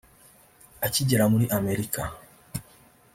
Akigera muri Amerika